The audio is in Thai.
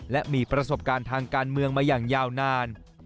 และมีประสบการณ์ทางการเมืองมาอย่างยาวนาน